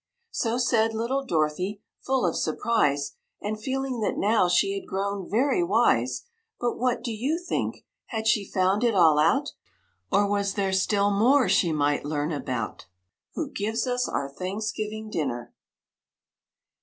So said little Dorothy, full of surprise, And feeling that now she had grown very wise. But what do you think? Had she found it all out? Or was there still more she might learn about Who gives us our Thanksgiving Dinner?